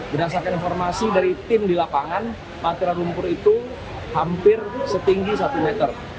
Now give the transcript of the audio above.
berdasarkan informasi dari tim di lapangan material lumpur itu hampir setinggi satu meter